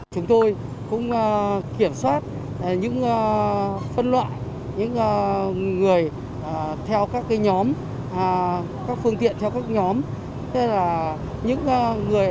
chúng tôi cũng kiểm soát những phân loại những người theo các nhóm các phương tiện theo các nhóm